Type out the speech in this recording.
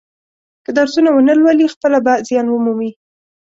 که درسونه و نه لولي خپله به زیان و مومي.